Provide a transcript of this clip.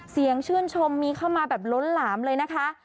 เสียงชื่นชมมีเข้ามาแบบล้นหลามเลยนะคะ